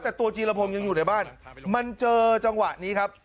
แต่ตัวจีรพงศ์ยังอยู่ในบ้านมันเจอจังหวะนี้ครับ